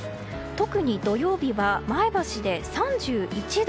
特に土曜日は前橋で３１度。